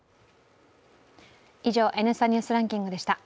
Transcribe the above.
以上、「Ｎスタ・ニュースランキング」でした。